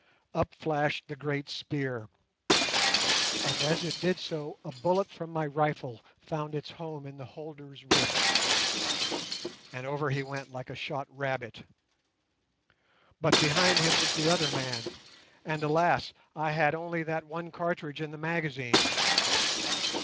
Up flashed the great spear, and as it did so a bullet from my rifle found its home in the holder's ribs, and over he went like a shot rabbit. But behind him was the other man, and, alas, I had only that one cartridge in the magazine!